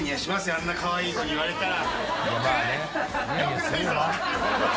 あんなカワイイ子に言われたら。